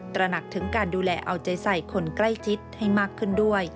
ระหนักถึงการดูแลเอาใจใส่คนใกล้ชิดให้มากขึ้นด้วย